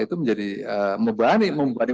itu menjadi membebani